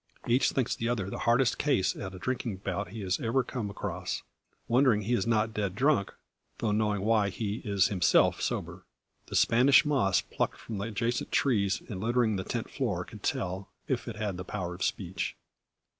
Each thinks the other the hardest case at a drinking bout he has ever come across; wondering he is not dead drunk, though knowing why he is himself sober. The Spanish moss plucked from the adjacent trees, and littering the tent floor, could tell if it had the power of speech.